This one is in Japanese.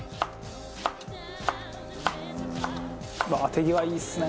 手際いいですね。